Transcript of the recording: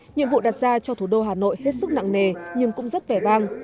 nhiệm vụ đặt ra cho thủ đô hà nội hết sức nặng nề nhưng cũng rất vẻ vang